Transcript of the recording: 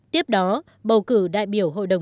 tiếp đó bầu cử đại biểu hội đồng